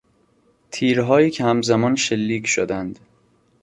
تیرهایی که هم زمان شلیک شدند